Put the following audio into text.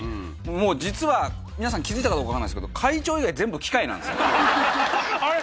もう実は皆さん気付いたかどうかわかんないですけど会長以外全部機械なんです。